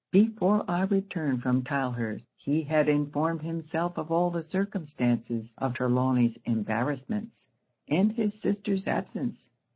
Before I returned from Tylehurst, he had informed himself of all the circumstances of Trelawny's embarrassments, and his sister's absence.